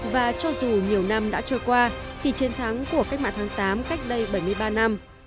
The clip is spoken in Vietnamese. và cho dù nhiều năm đã trôi qua thì chiến thắng của cách mạng tháng tám cách đây bảy mươi ba năm